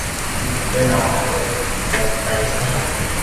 เดินออกจากรถจะไปทิ้งขยะ